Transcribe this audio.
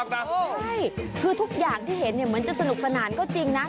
ใช่คือทุกอย่างที่เห็นเหมือนจะสนุกสนานก็จริงนะ